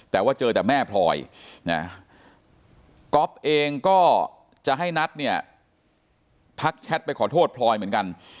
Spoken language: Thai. แต่ว่าเจอแต่แม่พลอยนะก๊อฟเองก็จะให้นัทเนี่ยทักแชทไปขอโทษพลอยเหมือนกัน